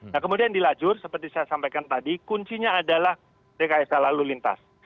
nah kemudian di lajur seperti saya sampaikan tadi kuncinya adalah rekayasa lalu lintas